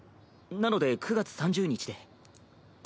なので９月３０日で。